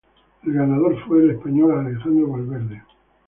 El ganador fue el español Alejandro Valverde.